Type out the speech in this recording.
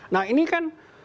nah ini kan